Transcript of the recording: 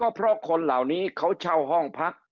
เพราะคนเหล่านี้เขาเช่าห้องพัก